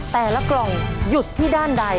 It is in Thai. แต่ละกล่องหยุดที่ด้านใด